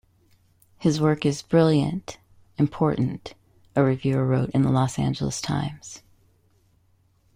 His work is "brilliant, important" a reviewer wrote in the "Los Angeles Times".